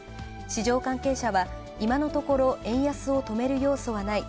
市場関係者は、今のところ円安を止める要素はない。